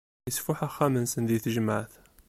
Isfuḥ axxam-nsen di tejmaεt.